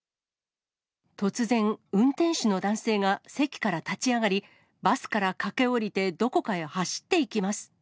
突然、運転手の男性が席から立ち上がり、バスから駆け下りてどこかへ走っていきます。